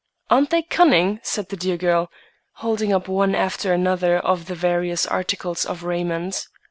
"Aren't they cunning?" said the dear girl, holding up one after another of the various articles of raiment.